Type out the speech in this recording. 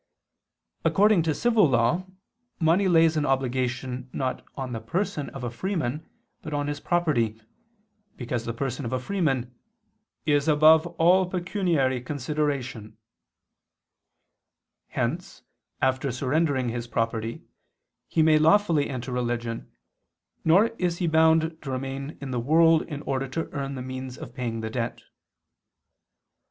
According to civil law [*Cod. IV, x, de Oblig. et Action, 12] money lays an obligation not on the person of a freeman, but on his property, because the person of a freeman "is above all pecuniary consideration" [*Dig. L, xvii, de div. reg. Jur. ant. 106, 176]. Hence, after surrendering his property, he may lawfully enter religion, nor is he bound to remain in the world in order to earn the means of paying the debt.